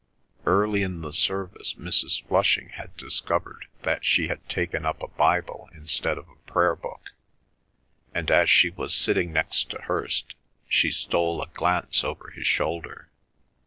Early in the service Mrs. Flushing had discovered that she had taken up a Bible instead of a prayer book, and, as she was sitting next to Hirst, she stole a glance over his shoulder.